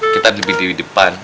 kita lebih di depan